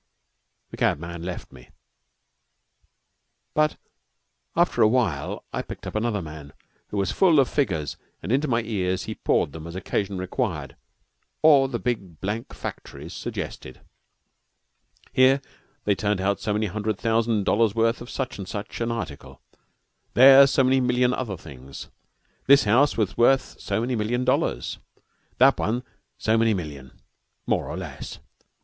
The cabman left me; but after awhile I picked up another man, who was full of figures, and into my ears he poured them as occasion required or the big blank factories suggested. Here they turned out so many hundred thousand dollars' worth of such and such an article; there so many million other things; this house was worth so many million dollars; that one so many million, more or less.